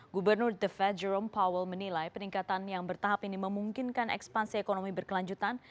gubernur the fedrome powell menilai peningkatan yang bertahap ini memungkinkan ekspansi ekonomi berkelanjutan